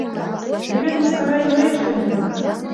Ме вет мыскара йӧре ыштен улына.